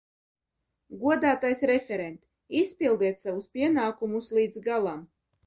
Godātais referent, izpildiet savus pienākumus līdz galam!